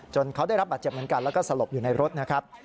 เขาได้รับบาดเจ็บเหมือนกันแล้วก็สลบอยู่ในรถนะครับ